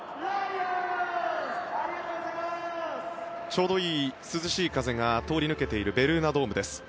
ちょうどいい涼しい風が通り抜けているベルーナドームです。